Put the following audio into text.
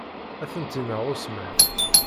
Ad tent-ineɣ usemmiḍ.